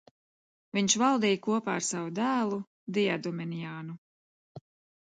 Viņš valdīja kopā ar savu dēlu Diadumeniānu.